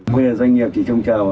quyền doanh nghiệp chỉ trông chờ